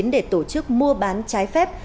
để tổ chức mua bán trái phép